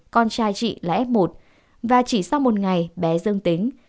con trai chị là f một và chỉ sau một ngày bé dương tính